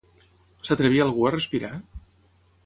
S'atrevia algú a respirar?